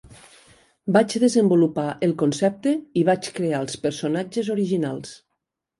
Vaig desenvolupar el concepte i vaig crear els personatges originals.